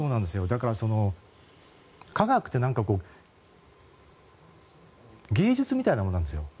だから科学って芸術みたいなものなんですよ。